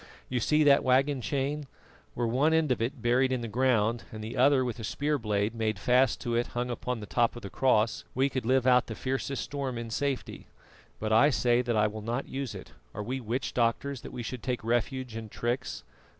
You see that waggon chain? Were one end of it buried in the ground and the other with a spear blade made fast to it hung to the top of the cross, we could live out the fiercest storm in safety. But I say that I will not use it. Are we witch doctors that we should take refuge in tricks?